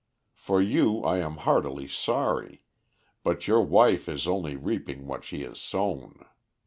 For you I am heartily sorry, but your wife is only reaping what she has sown.